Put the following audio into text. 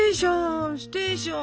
「ステーショーン！